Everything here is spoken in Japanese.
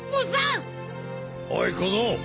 おい小僧